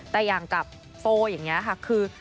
แต่อย่างกับโฟอย่างนี้ค่ะคือ